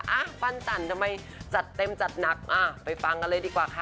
อ่ะปั้นจันทำไมจัดเต็มจัดหนักอ่ะไปฟังกันเลยดีกว่าค่ะ